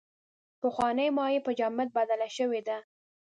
پخوانۍ مایع په جامد بدله شوې ده.